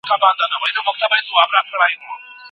د قسم عوض اخيستل ولي جواز نلري؟